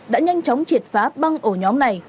đã nhanh chóng triệt phá băng ổ nhóm này